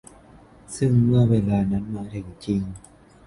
ซึ่งเมื่อเวลานั้นมาถึงจริง